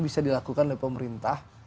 bisa dilakukan oleh pemerintah